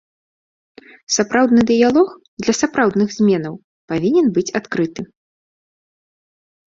Сапраўдны дыялог, для сапраўдных зменаў, павінен быць адкрыты.